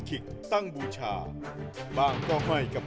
คิกคิกคิกคิกคิกคิกคิกคิก